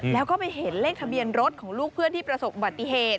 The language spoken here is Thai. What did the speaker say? แล้วก็ไปเห็นเลขทะเบียนรถของลูกเพื่อนที่ประสบบัติเหตุ